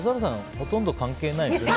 ほとんど関係ないでしょ？